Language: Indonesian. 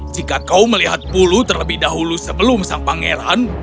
jika kau melihat bulu terlebih dahulu sebelum sang pangeran